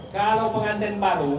kalau pengantin baru